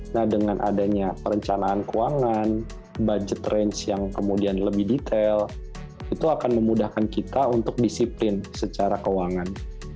nah dengan adanya perencanaan keuangan budget range yang kemudian lebih detail itu akan memudahkan kita untuk disiplin secara keuangan